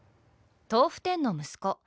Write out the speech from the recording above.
豆腐店の息子